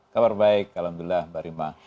kabar baik alhamdulillah mbak rima